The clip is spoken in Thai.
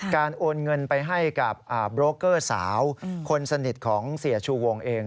โอนเงินไปให้กับโบรกเกอร์สาวคนสนิทของเสียชูวงเอง